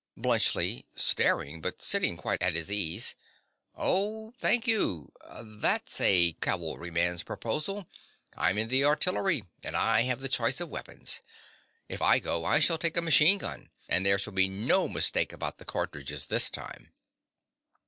BLUNTSCHLI. (staring, but sitting quite at his ease). Oh, thank you: that's a cavalry man's proposal. I'm in the artillery; and I have the choice of weapons. If I go, I shall take a machine gun. And there shall be no mistake about the cartridges this time.